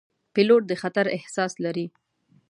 پیلوټ د خطر احساس لري.